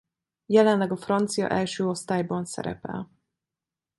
Jelenleg a francia elsőosztályban szerepel.